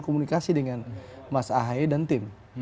komunikasi dengan mas ahaye dan tim